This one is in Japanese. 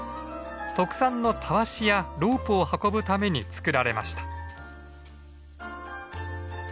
特産のたわしやロープを運ぶために作られました。